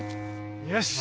よし。